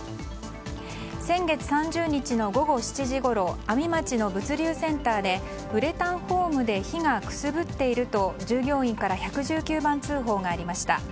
先月３０日の午後７時ごろ阿見町の物流センターでウレタンフォームで火がくすぶっていると従業員から１１９番通報がありました。